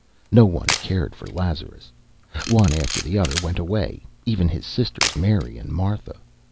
No one cared for Lazarus. One after the other went away, even his sisters, Mary and Martha.